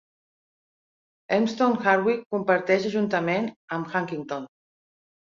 Elmstone Hardwicke comparteix ajuntament amb Uckington.